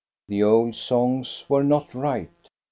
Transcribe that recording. The. old songs were not right.